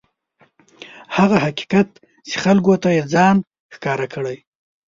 هغه حقیقت چې خلکو ته یې ځان ښکاره کړی.